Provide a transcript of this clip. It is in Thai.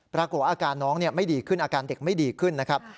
อาการน้องไม่ดีขึ้นอาการเด็กไม่ดีขึ้นนะครับ